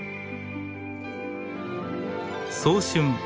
早春